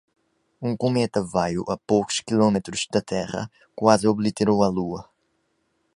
Um cometa veio a poucos quilômetros da Terra, quase obliterou a lua.